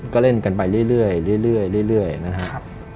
ก็เล่นกันไปเรื่อยนะครับ